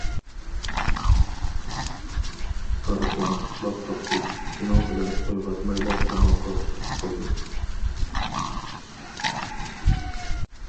قارىسام ئۇخلاپ قاپسىز شۇنىڭ بىلەن ئويغاتمايلا تاماققا تۇتۇش قىلدىم.